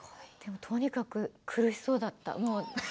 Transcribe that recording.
とにかく苦しそうだった。